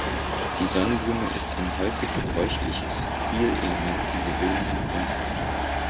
Die Sonnenblume ist ein häufig gebräuchliches Stilelement in der bildenden Kunst.